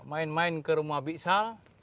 main ke rumah biksal